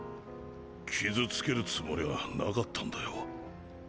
傷つけるつもりはなかったんだよぉ。